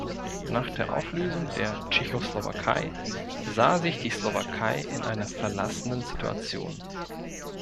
Nach der Auflösung der Tschechoslowakei sah sich die Slowakei in einer verlassenen Situation.